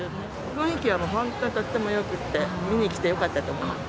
雰囲気はもう本当にとってもよくて、見に来てよかったと思います。